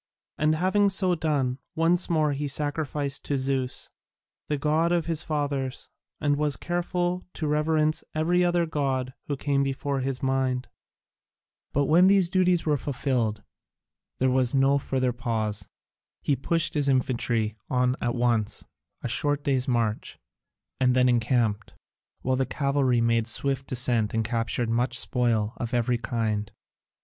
And having so done, once more he sacrificed to Zeus, the god of his fathers, and was careful to reverence every other god who came before his mind. But when these duties were fulfilled, there was no further pause. He pushed his infantry on at once, a short day's march, and then encamped, while the cavalry made a swift descent and captured much spoil of every kind.